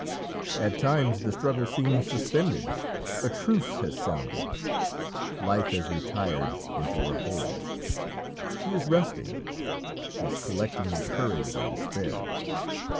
At times the struggle seems suspended a truce has sounded; Life has retired into her hold. She is resting; she is collecting the courage of despair.